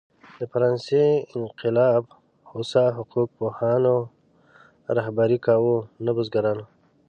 د فرانسې انقلاب هوسا حقوق پوهانو رهبري کاوه، نه بزګرانو.